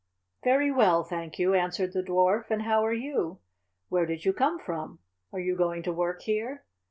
] "Very well, thank you," answered the Dwarf. "And how are you? Where did you come from? Are you going to work here?"